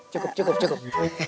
cukup cukup cukup